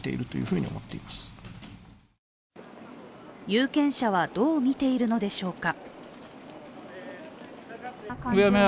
有権者はどう見ているのでしょうか。